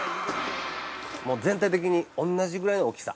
もう全体的に同じぐらいの大きさ。